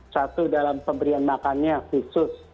satu dalam pemberian makannya khusus